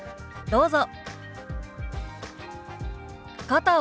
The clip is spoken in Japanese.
どうぞ。